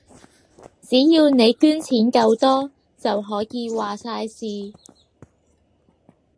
只要你捐錢夠多，就可以話晒事